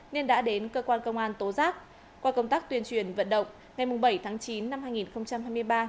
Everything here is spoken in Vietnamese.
nên đã đến cơ quan công an tố giác qua công tác tuyên truyền vận động ngày bảy tháng chín năm hai nghìn hai mươi ba